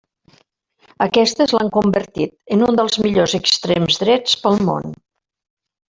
Aquestes l'han convertit en un dels millors extrems drets del món.